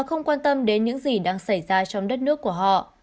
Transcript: không quan tâm đến những gì đang xảy ra trong đất nước của họ